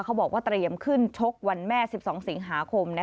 เขาบอกว่าเตรียมขึ้นชกวันแม่๑๒สิงหาคม